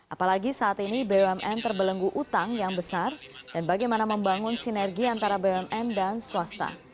apalagi saat ini bumn terbelenggu utang yang besar dan bagaimana membangun sinergi antara bumn dan swasta